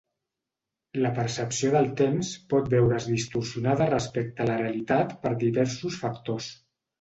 La percepció del temps pot veure's distorsionada respecte a la realitat per diversos factors.